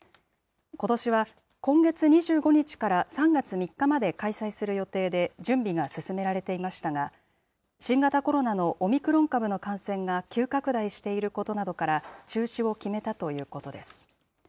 ことしは今月２５日から３月３日まで開催する予定で準備が進められていましたが、新型コロナのオミクロン株の感染が急拡大していることなどから、中止を決めたということです。